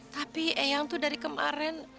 tapi eyang tuh dari kemarin